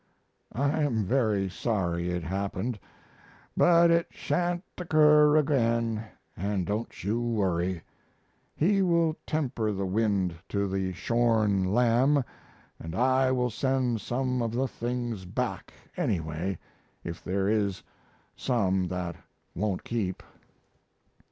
I am very sorry it happened, but it sha'n't occur again & don't you worry. He will temper the wind to the shorn lamb & I will send some of the things back anyway if there is some that won't keep.